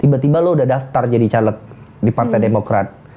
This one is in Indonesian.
tiba tiba lo udah daftar jadi caleg di partai demokrat